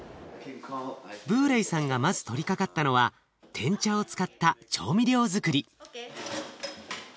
ブーレイさんがまず取りかかったのはてん茶を使った調味料づくり。